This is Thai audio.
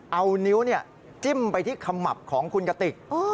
เอานิ้วจิ้มไปที่ขมับของคุณกติก